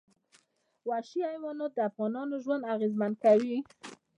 وحشي حیوانات د افغانانو ژوند اغېزمن کوي.